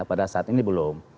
pada saat ini belum